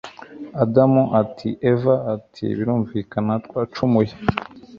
Adam ati Eva ati Birumvakana twacumuye